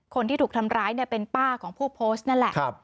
คนที่ถูกทำร้ายเนี่ยเป็นป้าของผู้โพสต์นั่นแหละ